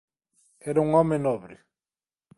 Era un home nobre.